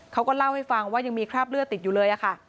เขาก็เล่าให้ฟังว่ายังมีคราบเลือดติดอยู่เลยค่ะ